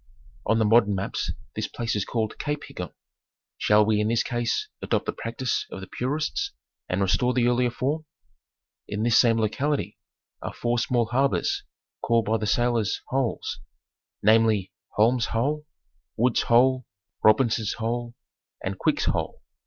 On the modern maps this place is called Cape Higgon. Shall we in this case adopt the practice of the purists and restore the earlier form? In this same locality are four small harbors, called by the sailors Holes ; namely Holmes' Hole, Wood's Hole, Robinson's Hole, and Quick's Hole.